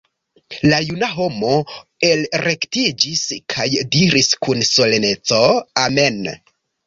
La juna homo elrektiĝis kaj diris kun soleneco: -- Amen!